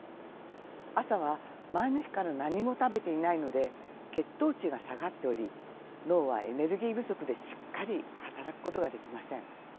朝は前の日から何も食べていないので血糖値が下がっており脳はエネルギー不足でしっかり働くことができません。